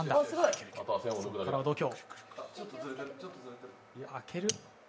ここからは度胸。